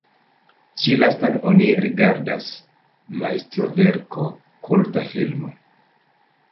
Ĉi lastan oni rigardas majstroverko, kulta filmo.